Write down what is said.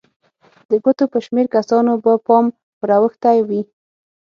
د ګوتو په شمېر کسانو به پام ور اوښتی وي.